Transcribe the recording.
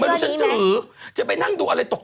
ไปดูเป็นคู่ใช่ไหมอะไรแบบนี้